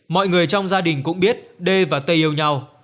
mọi người trong gia đình cũng biết đê và tây yêu nhau